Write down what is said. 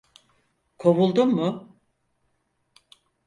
Kovuldum mu?